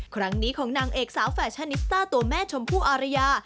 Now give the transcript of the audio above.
ครั้งนี้ของนางเอกสาวแฟชั่นนิสต้าตัวแม่ชมพู่อารยา